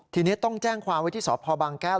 ทีนี้ต้องแจ้งความไว้ที่สพบางแก้ว